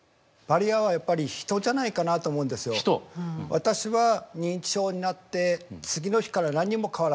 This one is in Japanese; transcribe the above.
私は認知症になって次の日から何にも変わらない。